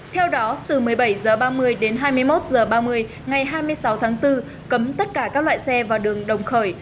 theo đó từ một mươi bảy h ba mươi đến hai mươi một h ba mươi ngày hai mươi sáu tháng bốn cấm tất cả các loại xe vào đường đồng khởi